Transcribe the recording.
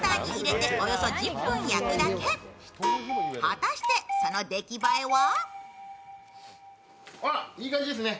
果たして、その出来栄えは？